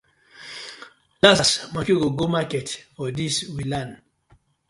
Lass lass monkey go go market for dis we land.